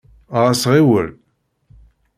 Ɣas ɣiwel.